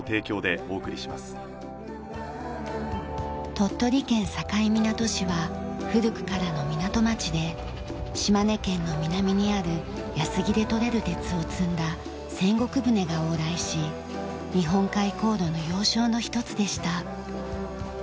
鳥取県境港市は古くからの港町で島根県の南にある安来で採れる鉄を積んだ千石船が往来し日本海航路の要衝の一つでした。